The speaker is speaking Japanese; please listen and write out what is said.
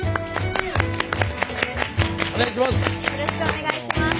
お願いします！